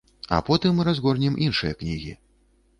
А потым разгорнем іншыя кнігі.